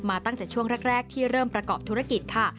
ตั้งแต่ช่วงแรกที่เริ่มประกอบธุรกิจค่ะ